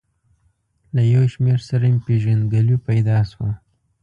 له یو شمېر سره مې پېژندګلوي پیدا شوه.